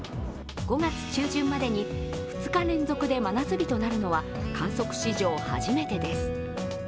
５月中旬までに２日連続で真夏日となるのは観測史上初めてです。